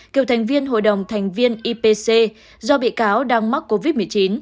cựu thành viên hội đồng thành viên ipc do bị cáo đang mắc covid một mươi chín